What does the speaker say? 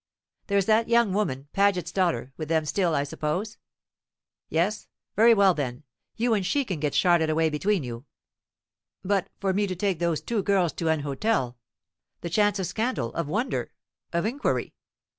There's that young woman, Paget's daughter, with them still, I suppose? Yes. Very well, then, you and she can get Charlotte away between you." "But for me to take those two girls to an hotel the chance of scandal, of wonder, of inquiry?